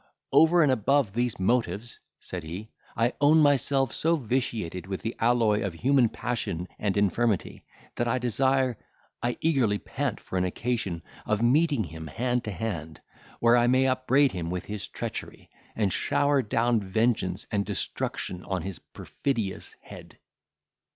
"Over and above these motives," said he, "I own myself so vitiated with the alloy of human passion and infirmity, that I desire—I eagerly pant for an occasion of meeting him hand to hand, where I may upbraid him with his treachery, and shower down vengeance and destruction on his perfidious head."